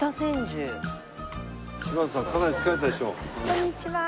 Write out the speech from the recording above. こんにちは。